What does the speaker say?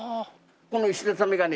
この石畳がね